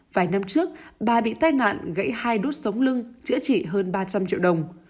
vài năm trước bà bị tai nạn gãy hai đốt sống lưng chữa trị hơn ba trăm linh triệu đồng